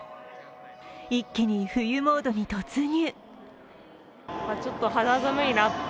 一気に冬モードに突入。